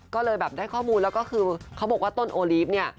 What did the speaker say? ก็เลยแบบได้ข้อมูลแล้วก็คือเขาบอกว่าต้นโอลีฟเนี่ย